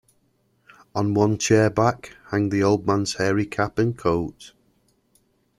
On one chair-back hang the old man's hairy cap and coat.